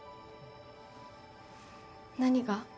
何が？